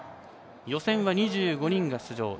予選は２５人が出場。